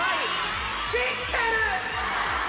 知ってる！